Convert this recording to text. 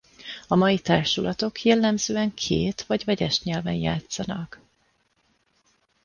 A mai társulatok jellemzően két vagy vegyes nyelven játszanak.